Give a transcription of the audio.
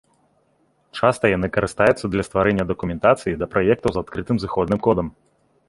Часта яны карыстаюцца для стварэння дакументацыі да праектаў з адкрытым зыходным кодам.